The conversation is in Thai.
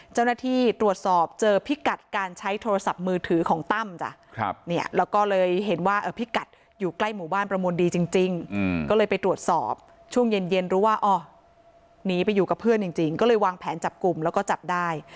เจ้าหน้าที่ตรวจสอบเจอพิกัดการใช้โทรศัพท์มือถือของตั้มจ้ะเนี่ยแล้วก็เลยเห็นว่าพิกัดอยู่ใกล้หมู่บ้านประมวลดีจริงก็เลยไปตรวจสอบช่วงเย็นรู้ว่าอ๋อหนีไปอยู่กับเพื่อนจริงก็เลยวางแผนจับกลุ่มแล้วก็จับได้